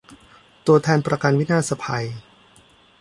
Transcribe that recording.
ตัวแทนประกันวินาศภัย